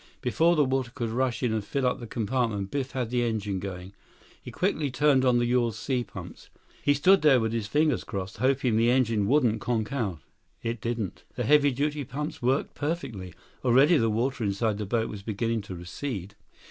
Before the water could rush in and fill up that compartment, Biff had the engine going. He quickly turned on the yawl's sea pumps. He stood there with his fingers crossed, hoping the engine wouldn't conk out. It didn't. The heavy duty pumps worked perfectly. Already the water inside the boat was beginning to recede.